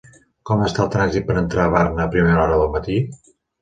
Com està el trànsit per entrar a Barna a primera hora del matí?